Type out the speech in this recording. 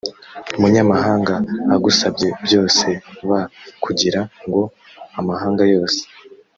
munyamahanga agusabye byose b kugira ngo amahanga yose